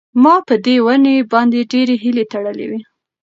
ما په دې ونې باندې ډېرې هیلې تړلې وې.